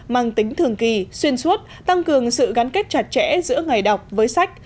mang tính thường kỳ xuyên suốt tăng cường sự gắn kết chặt chẽ giữa ngày đọc với sách